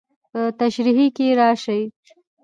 په تشريحي کې راشي.